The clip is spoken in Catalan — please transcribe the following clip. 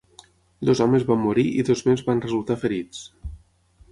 Dos homes van morir i dos més van resultar ferits.